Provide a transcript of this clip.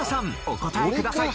お答えください。